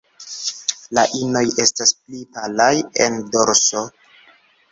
La inoj estas pli palaj en dorso.